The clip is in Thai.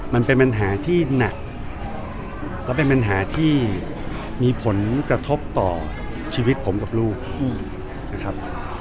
มันเป็นปัญหาที่หนักและเป็นปัญหาที่มีผลกระทบต่อชีวิตผมกับลูกนะครับ